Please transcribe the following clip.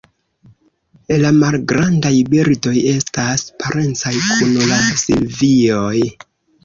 La malgrandaj birdoj estas parencaj kun la Silvioj.